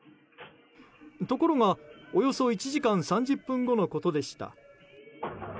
ところがおよそ１時間３０分後のことでした。